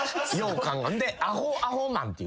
でアホアホマンって。